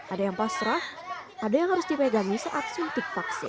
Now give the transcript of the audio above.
ada yang pasrah ada yang harus dipegangi saat suntik vaksin